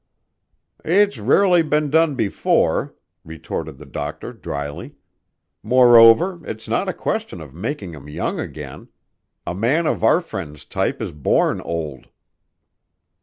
"It's rarely been done before," retorted the doctor drily. "Moreover, it's not a question of making him young again. A man of our friend's type is born old."